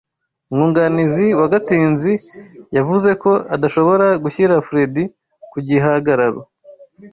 Umwunganizi wa Gatsinzi yavuze ko adashobora gushyira Fredy ku gihagararo.